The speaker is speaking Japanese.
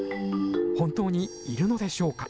本当にいるのでしょうか。